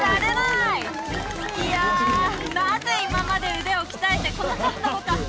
いやなぜ今まで腕を鍛えてこなかったのか？